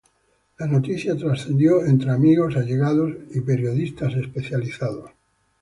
La noticia trascendió entre amigos, allegados y periodistas especializados.